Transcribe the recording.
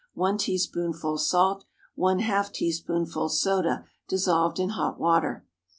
1 teaspoonful salt. ½ teaspoonful soda, dissolved in hot water.